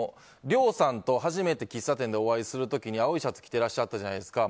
リョウさんと初めて喫茶店でお会いする時に青いシャツ着ていらっしゃったじゃないですか。